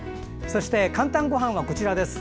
そして「かんたんごはん」はこちらです。